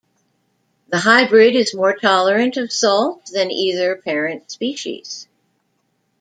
The hybrid is more tolerant of salt than either parent species.